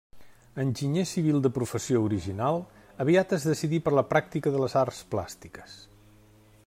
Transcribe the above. Enginyer civil de professió original, aviat es decidí per la pràctica de les arts plàstiques.